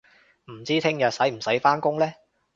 唔知聽日使唔使返工呢